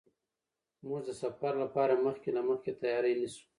موږ د سفر لپاره مخکې له مخکې تیاری نیسو.